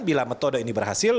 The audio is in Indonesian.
bila metode ini berhasil